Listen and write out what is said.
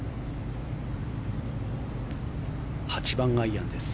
８番アイアンです。